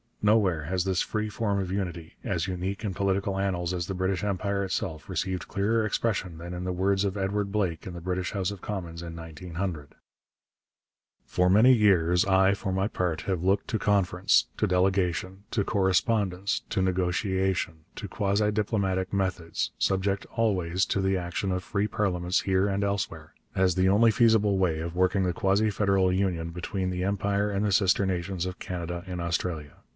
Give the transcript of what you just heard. Nowhere has this free form of unity, as unique in political annals as the British Empire itself, received clearer expression than in the words of Edward Blake in the British House of Commons in 1900: For many years I for my part have looked to conference, to delegation, to correspondence, to negotiation, to quasi diplomatic methods, subject always to the action of free parliaments here and elsewhere, as the only feasible way of working the quasi federal union between the Empire and the sister nations of Canada and Australia.